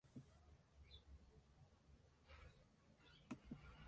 Andy Bell la calificó, sin embargo, como "increíble".